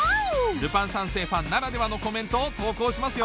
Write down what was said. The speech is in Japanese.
『ルパン三世』ファンならではのコメントを投稿しますよ